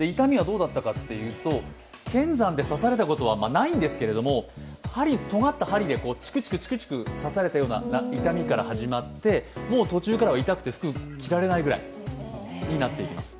痛みは、剣山で刺されたことはないんですがとがった針でチクチク刺されたような痛みから始まって、もう途中から痛くて服を着られないぐらいになってきます。